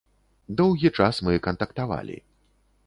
Доўгі час мы кантактавалі.